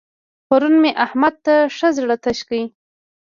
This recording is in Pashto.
پرون مې احمد ته ښه زړه تش کړ.